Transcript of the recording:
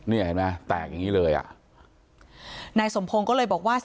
เนี่ยเห็นไหมแตกอย่างนี้เลยอ่ะนายสมพงศ์ก็เลยบอกว่า